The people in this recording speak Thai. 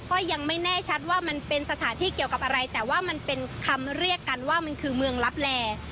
ก็ยังไม่แน่ชัดว่ามันเป็นสถานที่เกี่ยวกับอะไรแต่ว่ามันเป็นคำเรียกกันว่ามันคือเมืองลับแล